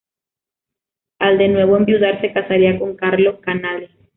Al de nuevo enviudar se casaría con Carlo Canale.